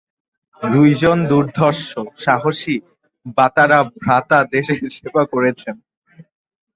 দুইজন দুর্ধর্ষ, সাহসী বাতরা ভ্রাতা দেশের সেবা করছে।